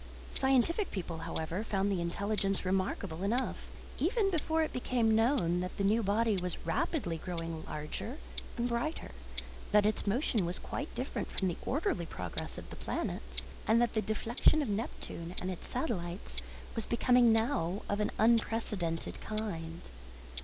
Scientific people, however, found the intelligence remarkable enough, even before it became known that the new body was rapidly growing larger and brighter, that its motion was quite different from the orderly progress of the planets, and that the deflection of Neptune and its satellite was becoming now of an unprecedented kind.